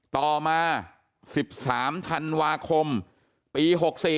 ต่อมา๑๓ธันวาคมปี๖๔